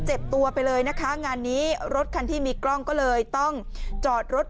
เจ็บตัวไปเลยนะคะงานนี้รถคันที่มีกล้องก็เลยต้องจอดรถ